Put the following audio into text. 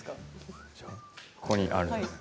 ここにあるので。